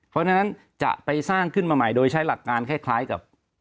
เพราะฉะนั้นจะไปสร้างขึ้นมาใหม่โดยใช้หลักงานคล้ายกับ